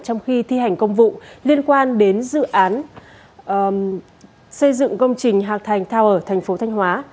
trong khi thi hành công vụ liên quan đến dự án xây dựng công trình hạc thành tower thành phố thanh hóa